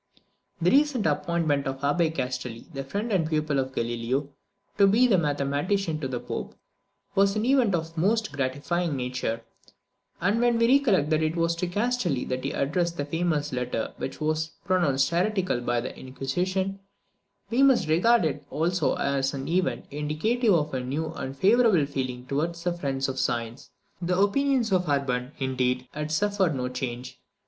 The recent appointment of the Abbé Castelli, the friend and pupil of Galileo, to be mathematician to the Pope, was an event of a most gratifying nature; and when we recollect that it was to Castelli that he addressed the famous letter which was pronounced heretical by the Inquisition, we must regard it also as an event indicative of a new and favourable feeling towards the friends of science. The opinions of Urban, indeed, had suffered no change.